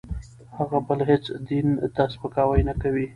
هغه بل هېڅ دین ته سپکاوی نه کوي.